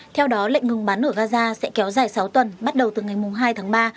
theo đó lệnh ngừng bắn ở gaza sẽ kéo dài sáu tuần bắt đầu từ ngày hai tháng ba